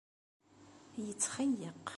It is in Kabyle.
Yetxeyyeq.